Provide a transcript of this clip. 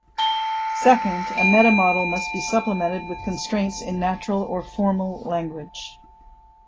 Second, a meta model must be supplemented with constraints in natural or formal language.